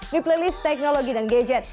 di playlist teknologi dan gadget